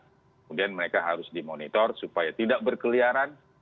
kemudian mereka harus dimonitor supaya tidak berkeliaran